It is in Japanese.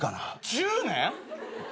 １０年！？